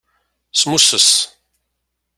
Smusses.